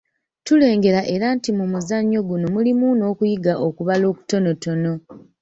Tulengera era nti mu muzannyo guno mulimu n’okuyiga okubala okutonootono.